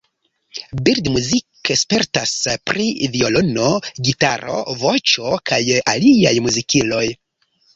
Bird muzike spertas pri violono, gitaro, voĉo kaj aliaj muzikiloj.